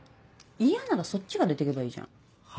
嫌ならそっちが出てけばいいじゃん。は？